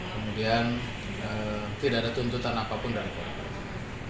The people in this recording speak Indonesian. kemudian tidak ada tuntutan apapun dari keluarga